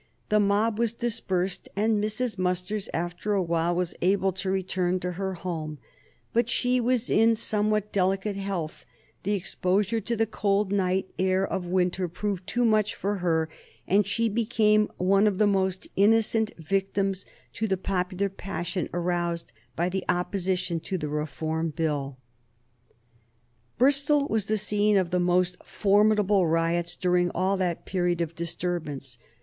The mob was dispersed and Mrs. Musters, after a while, was able to return to her home; but she was in somewhat delicate health, the exposure to the cold night air of winter proved too much for her, and she became one of the most innocent victims to the popular passion aroused by the opposition to the Reform Bill. [Sidenote: 1831 The Reform riots] Bristol was the scene of the most formidable riots during all that period of disturbance.